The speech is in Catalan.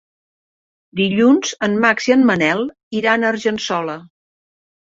Dilluns en Max i en Manel iran a Argençola.